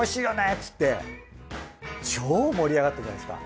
っつって超盛り上がったじゃないですか。